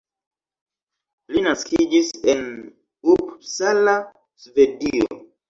Li naskiĝis en Uppsala, Svedio.